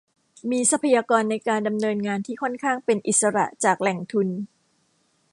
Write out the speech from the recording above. มีทรัพยากรในการดำเนินงานที่ค่อนข้างเป็นอิสระจากแหล่งทุน